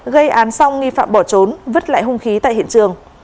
gây án xong nghi phạm bỏ trốn vứt lại hung khí tại hiện trường